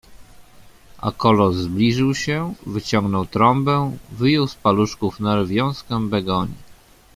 A kolos zbliżył się, wyciągnął trąbę, wyjął z paluszków Nel wiązkę begonii.